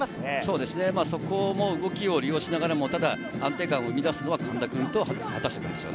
その動きを利用しながらも安定感を生みだすのは神田君と畑下君ですね。